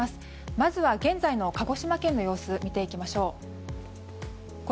まずは現在の鹿児島県の様子を見ていきましょう。